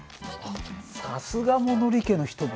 さすが物理家の人々。